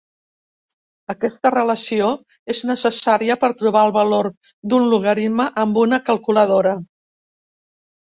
Aquesta relació és necessària per trobar els valor d'un logaritme amb una calculadora.